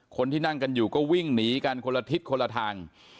คนที่นั่งกันอยู่ก็วิ่งหนีกันคนละทิศคนละทาง